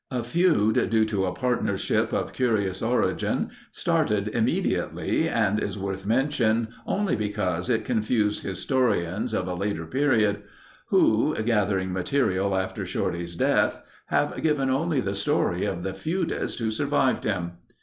A feud due to a partnership of curious origin, started immediately and is worth mention only because it confused historians of a later period who, gathering material after Shorty's death have given only the story of the feudist who survived him.